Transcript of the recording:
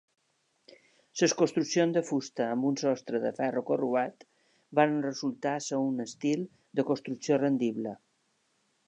Les construccions de fusta amb un sostre de ferro corrugat van resultar ser un estil de construcció rendible.